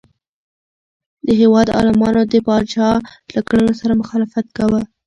د هیواد عالمانو د پاچا له کړنو سره مخالفت کاوه.